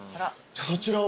そちらを。